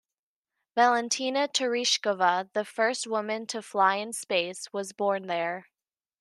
Valentina Tereshkova, the first woman to fly in space, was born there.